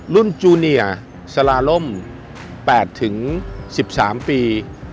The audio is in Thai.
รุ่นจูเนียร์สลาร่ม๘๑๓ปี